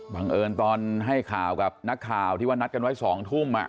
บังเอิญตอนให้ข่าวกับนักข่าวที่ว่านัดกันไว้๒ทุ่ม